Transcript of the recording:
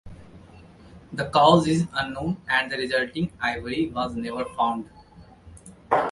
The cause is unknown and the resulting ivory was never found.